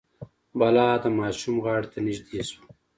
بلا د ماشوم غاړې ته نژدې شو.